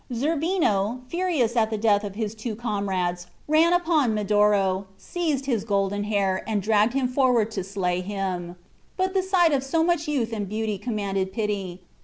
Zerbino, furious at the death of his two comrades, ran upon Medoro, seized his golden hair, and dragged him forward to slay him. But the sight of so much youth and beauty commanded pity.